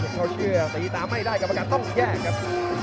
ต้องเชื่อสีตาไม่ได้ก็ประกันต้องแก้ครับ